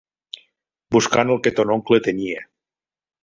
Buscant el que ton oncle tenia.